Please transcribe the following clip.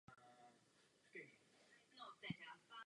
Jakožto tvůrci evropské politiky na to musíme klást stále důraz.